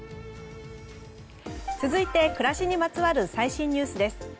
続いて暮らしにまつわる最新ニュースです。